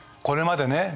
これまでね